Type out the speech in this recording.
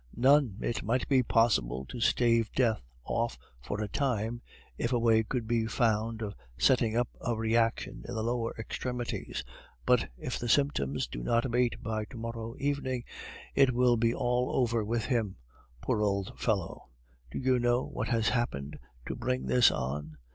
"None. It might be possible to stave death off for a time if a way could be found of setting up a reaction in the lower extremities; but if the symptoms do not abate by to morrow evening, it will be all over with him, poor old fellow! Do you know what has happened to bring this on?